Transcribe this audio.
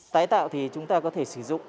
tái tạo thì chúng ta có thể sử dụng